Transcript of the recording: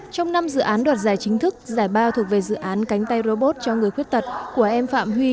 trong năm dự án đoạt giải chính thức giải ba thuộc về dự án cánh tay robot cho người khuyết tật của em phạm huy